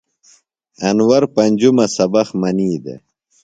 انور پنجُمہ سبق منی دےۡ۔